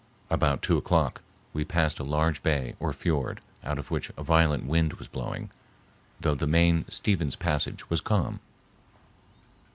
About two o'clock we passed a large bay or fiord, out of which a violent wind was blowing, though the main Stephens Passage was calm.